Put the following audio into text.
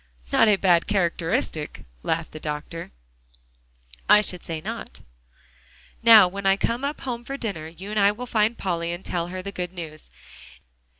"Not a bad characteristic," laughed the doctor. "I should say not." "Now when I come up home for dinner, you and I will find Polly, and tell her the good news.